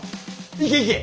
行け行け！